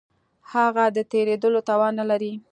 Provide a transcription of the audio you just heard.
هغه د تېرېدلو توان نه لري.